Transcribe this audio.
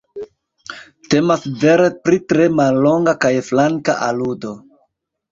Temas vere pri tre mallonga kaj flanka aludo.